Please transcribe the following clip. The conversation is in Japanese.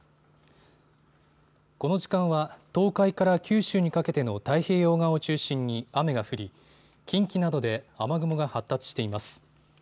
この時間は東海から九州にかけての太平洋側を中心に雨が降り近畿などで雨雲が発達しています。